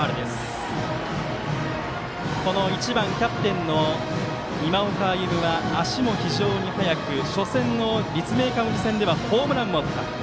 この１番キャプテンの今岡歩夢は足も非常に速く初戦の立命館宇治戦ではホームランもあった。